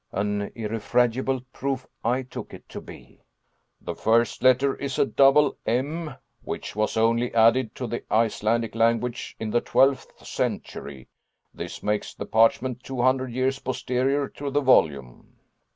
[An irrefragable proof I took it to be.] The first letter is a double M, which was only added to the Icelandic language in the twelfth century this makes the parchment two hundred years posterior to the volume."